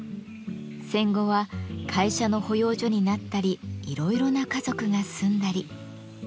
戦後は会社の保養所になったりいろいろな家族が住んだり。